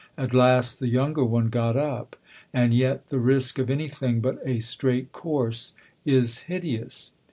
At last the younger one got up. "And yet the risk of anything but a straight course is hideous."